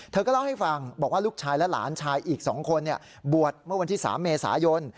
เธอก็เล่าให้ฟังบอกว่าลูกชายและหลานชายอีก๒คนบวชเมื่อวันที่๓เมษายน